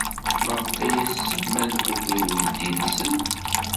Maɣef ay as-semman Cook i uydi-nsen?